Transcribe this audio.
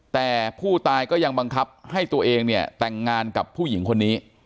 แต่ผู้ตายก็ยังบังคับให้ตัวเองเนี่ยแต่งงานกับผู้หญิงคนนี้